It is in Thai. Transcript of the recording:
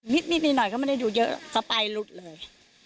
มิดนิดหน่อยเขาไม่ได้อยู่เยอะสะปายหลุดเลย